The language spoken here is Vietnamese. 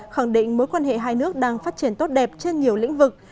khẳng định mối quan hệ hai nước đang phát triển tốt đẹp trên nhiều lĩnh vực